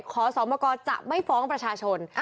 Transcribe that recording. ขอสมกรจะไม่ฟ้องประชาชน